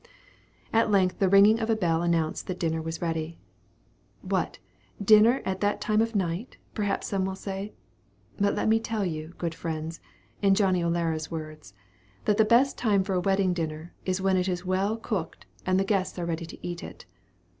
At length the ringing of a bell announced that dinner was ready. "What, dinner at that time of night?" perhaps some will say. But let me tell you, good friends (in Johnny O'Lara's words), that "the best time for a wedding dinner, is when it is well cooked, and the guests are ready to eat it."